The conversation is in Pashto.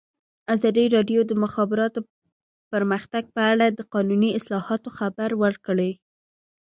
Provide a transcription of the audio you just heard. ازادي راډیو د د مخابراتو پرمختګ په اړه د قانوني اصلاحاتو خبر ورکړی.